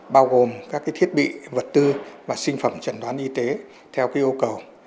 bao gồm các cái thiết bị vật tư và sinh phẩm trần đoán y tế theo cái yêu cầu